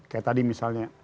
kayak tadi misalnya